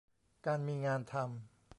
การมีงานทำ